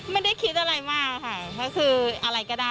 ไม่ได้คิดอะไรมากค่ะก็คืออะไรก็ได้